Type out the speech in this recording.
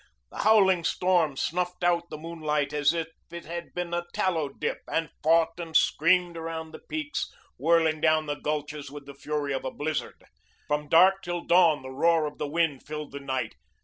The howling storm snuffed out the moonlight as if it had been a tallow dip and fought and screamed around the peaks, whirling down the gulches with the fury of a blizzard. From dark till dawn the roar of the wind filled the night.